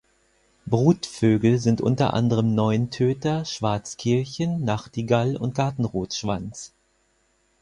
Brutvögel sind unter anderem Neuntöter, Schwarzkehlchen, Nachtigall und Gartenrotschwanz.